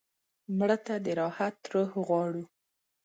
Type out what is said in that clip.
مړه ته د راحت روح غواړو